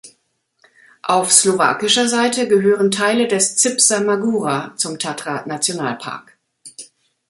Auf slowakischer Seite gehören Teile des Zipser Magura zum Tatra-Nationalpark.